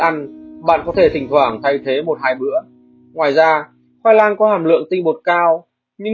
ăn bạn có thể thỉnh thoảng thay thế một hai bữa ngoài ra khoai lang có hàm lượng tinh bột cao nhưng